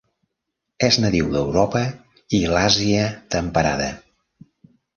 És nadiu d'Europa i l'Àsia temperada.